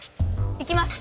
行きます！